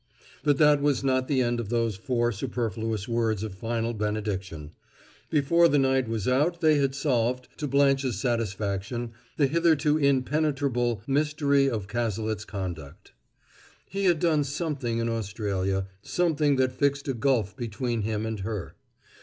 But that was not the end of those four superfluous words of final benediction; before the night was out they had solved, to Blanche's satisfaction, the hitherto impenetrable mystery of Cazalet's conduct. He had done something in Australia, something that fixed a gulf between him and her.